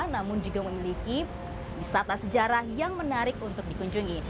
namun juga memiliki wisata sejarah yang menarik untuk dikunjungi